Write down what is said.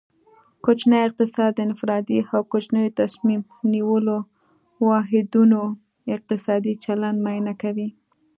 کوچنی اقتصاد د انفرادي او کوچنیو تصمیم نیولو واحدونو اقتصادي چلند معاینه کوي